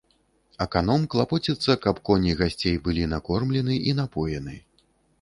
Аканом клапоціцца, каб коні гасцей былі накормлены і напоены.